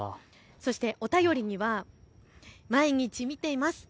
お便りには毎日見ています。